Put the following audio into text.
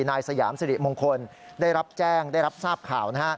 นายสยามสิริมงคลได้รับแจ้งได้รับทราบข่าวนะฮะ